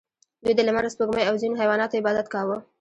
دوی د لمر او سپوږمۍ او ځینو حیواناتو عبادت کاوه